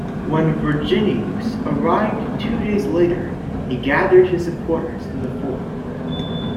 When Verginius arrived two days later he gathered his supporters in the Forum.